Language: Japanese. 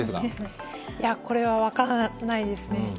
これは分からないですね。